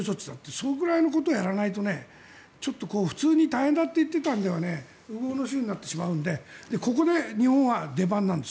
そのぐらいのことをやらないと普通に大変だと言っていたのでは烏合の衆になってしまうのでここで日本は出番なんです。